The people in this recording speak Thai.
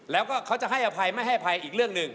แล้วก็เขาจะให้อภัยไม่ให้อภัยอีกเรื่องหนึ่ง